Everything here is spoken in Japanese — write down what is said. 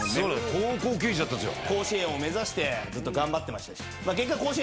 高校球児だったんすよ。